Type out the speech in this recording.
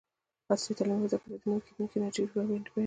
عصري تعلیم مهم دی ځکه چې د نوي کیدونکي انرژۍ ګټې بیانوي.